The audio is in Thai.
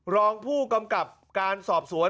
รองผู้กำกับการสอบสวน